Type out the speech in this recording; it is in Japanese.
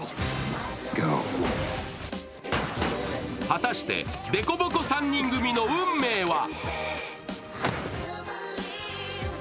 果たして、でこぼこ３人組の運命は。